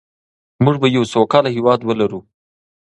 موږ به یو سوکاله هېواد ولرو.